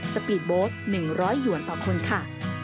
สปีดโบสต์๑๐๐หยวนต่อคนค่ะ